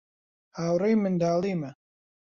هاوڕێی منداڵیمە.